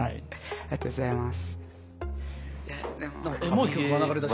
ありがとうございます。